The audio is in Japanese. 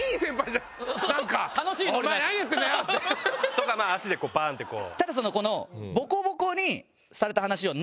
とかまあ足でパーンってこう。